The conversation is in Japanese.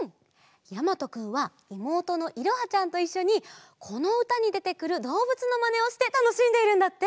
やまとくんはいもうとのいろはちゃんといっしょにこのうたにでてくるどうぶつのまねをしてたのしんでいるんだって！